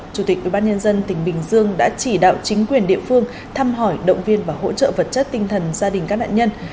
chủ tịch ubnd tỉnh bình dương đã chỉ đạo chính quyền địa phương thăm hỏi động viên và hỗ trợ vật chất tinh thần gia đình các nạn nhân